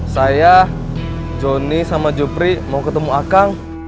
saya jonny sama jopri mau ketemu akang